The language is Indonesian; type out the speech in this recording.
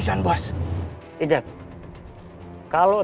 itu siapa sih